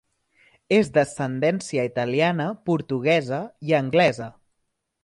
És d'ascendència italiana, portuguesa i anglesa.